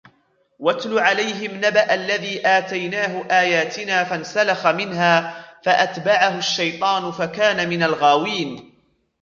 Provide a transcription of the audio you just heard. واتل عليهم نبأ الذي آتيناه آياتنا فانسلخ منها فأتبعه الشيطان فكان من الغاوين